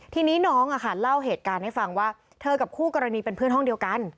ทีนี้น้องเล่าเหตุการณ์ให้ฟังว่าเธอกับคู่กรณีเป็นเพื่อนห้องเดียวกัน